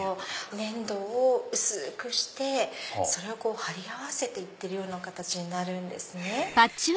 粘土を薄くしてそれを張り合わせてる形になるんですね。